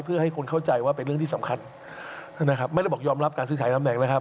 เพื่อให้คนเข้าใจว่าเป็นเรื่องที่สำคัญนะครับไม่ได้บอกยอมรับการซื้อขายตำแหน่งนะครับ